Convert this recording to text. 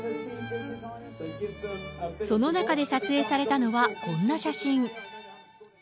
その中で撮影されたのは、こんな写真。